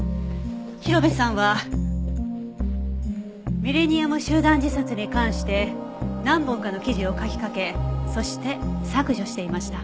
広辺さんはミレニアム集団自殺に関して何本かの記事を書きかけそして削除していました。